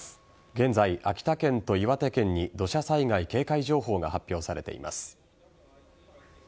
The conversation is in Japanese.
現在、秋田県と岩手県に土砂災害警戒情報が発表されています。